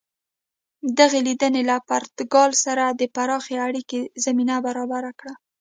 دغې لیدنې له پرتګال سره د پراخې اړیکې زمینه برابره کړه.